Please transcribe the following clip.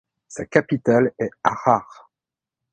Sa capitale est Arar.